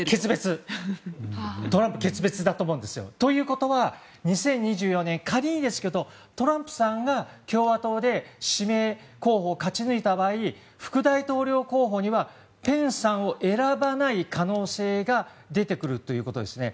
トランプ決別だと思うんですよ。ということは２０２４年仮にですけどトランプさんが共和党で指名候補を勝ち抜いた場合副大統領候補にはペンスさんを選ばない可能性が出てくるということですね。